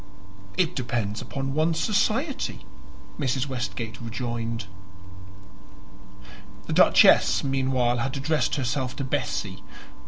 "It depends upon one's society," Mrs. Westgate rejoined. The Duchess meanwhile had addressed herself to Bessie.